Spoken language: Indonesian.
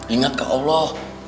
ingat kak allah